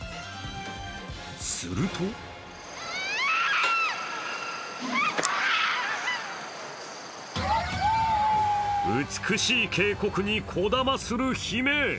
すると美しい渓谷にこだまする悲鳴。